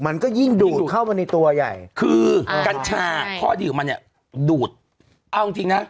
มันก็ยิ่งดูดเข้ามาในตัวใหญ่คือกัญชาค่อยดูดเอาจริงจริงนะ